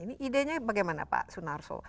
ini idenya bagaimana pak sunarso